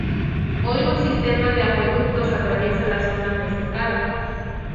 Hoy un sistema de acueductos atraviesa la zona desecada.